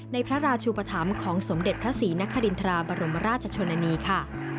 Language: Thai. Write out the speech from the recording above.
ในพระราชุปธรรมของสมเด็จพระศรีนครินทราบรมราชชนนานีค่ะ